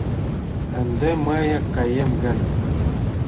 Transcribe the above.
Ынде мые каем гын